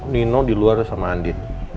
nino diluar sama andin